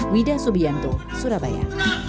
widah subianto surabaya